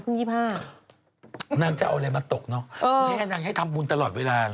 นางจะเอาอะไรมาตกเนอะแม่นางให้ทำบุญตลอดเวลา